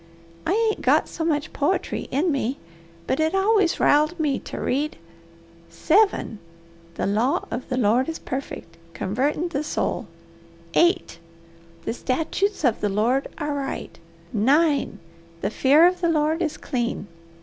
I ain't got so much poetry in me, but it always riled me to read, '7. The law of the Lord is perfect, covertin' the soul. 8. The statutes of the Lord are right. 9. The fear of the Lord is clean.'